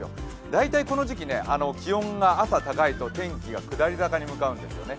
大体この時期、気温が朝高いと天気が下り坂に向かうんですよね。